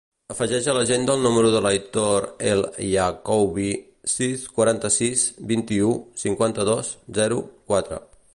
Afegeix a l'agenda el número de l'Aitor El Yaakoubi: sis, quaranta-sis, vint-i-u, cinquanta-dos, zero, quatre.